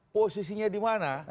posisinya di mana